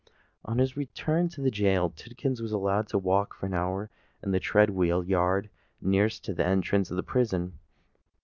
On his return to the gaol, Tidkins was allowed to walk for an hour in the tread wheel yard nearest to the entrance of the prison.